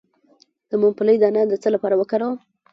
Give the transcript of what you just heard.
د ممپلی دانه د څه لپاره وکاروم؟